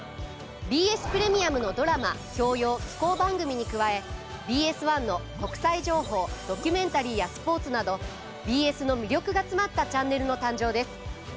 ＢＳプレミアムのドラマ教養紀行番組に加えＢＳ１の国際情報ドキュメンタリーやスポーツなどＢＳの魅力が詰まったチャンネルの誕生です。